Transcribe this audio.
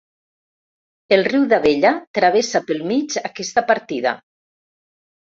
El riu d'Abella travessa pel mig aquesta partida.